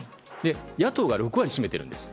野党が６割を占めているんです。